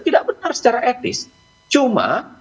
tidak benar secara etis cuma